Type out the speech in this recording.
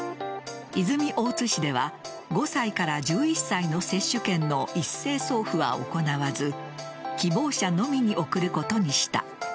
泉大津市では５歳から１１歳の接種券の一斉送付は行わず希望者のみに送ることにした。